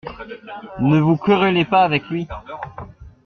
Ne vous querellez pas avec lui.